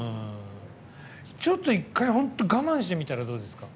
ちょっと一回我慢してみたらどうですか？